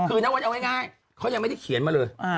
คือณวัดเอาง่ายเขายังไม่ได้เขียนมาเลย